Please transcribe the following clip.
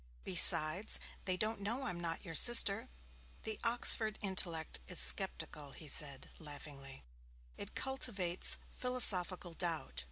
'Besides, they don't know I'm not your sister.' 'The Oxford intellect is sceptical,' he said, laughing. 'It cultivates philosophical doubt.'